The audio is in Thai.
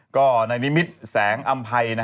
ก็ในนิมิตรแสงอำภัย